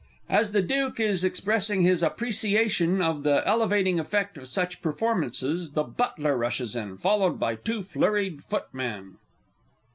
[As the Duke is expressing his appreciation of the elevating effect of such performances, the Butler rushes in, followed by two flurried Footmen.